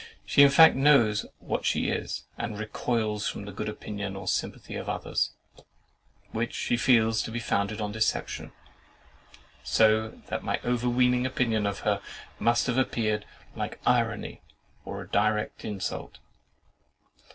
She in fact knows what she is, and recoils from the good opinion or sympathy of others, which she feels to be founded on a deception; so that my overweening opinion of her must have appeared like irony, or direct insult.